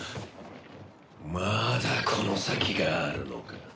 まだこの先があるのか。